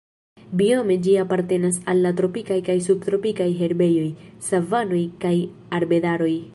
Biome ĝi apartenas al la tropikaj kaj subtropikaj herbejoj, savanoj kaj arbedaroj.